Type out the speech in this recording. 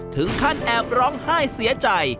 ถึงขั้นแอบร้องไห้เสียใจ